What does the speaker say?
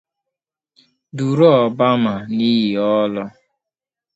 duru Obama n’iyi-ọlụ